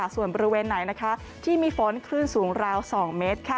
ส่วนบริเวณไหนที่มีฝนคลื่นสูงราว๒เมตร